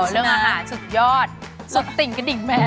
เรื่องอาหารสุดยอดสุดติ่งกระดิ่งแม่